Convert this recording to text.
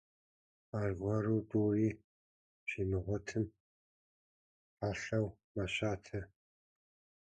Аргуэру тӏури щимыгъуэтым, хьэлъэу мэщатэ.